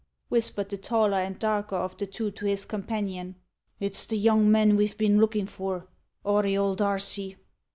whispered the taller and darker of the two to his companion "it's the young man ve've been lookin' for Auriol Darcy."